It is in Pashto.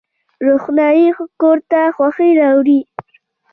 روښنايي کور ته خوښي راوړي